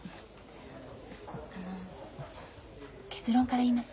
あの結論から言います。